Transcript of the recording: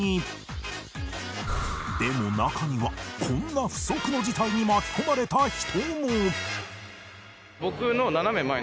でも中にはこんな不測の事態に巻き込まれた人も